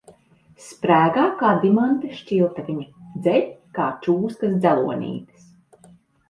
Sprēgā kā dimanta šķiltaviņa, dzeļ kā čūskas dzelonītis.